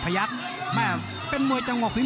ภูตวรรณสิทธิ์บุญมีน้ำเงิน